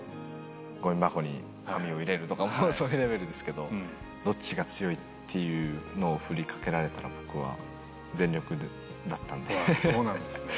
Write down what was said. ごみ箱にごみを入れるとか、そういうレベルですけど、どっちが強いっていうのを振りかけられたら、僕は全力だったんで。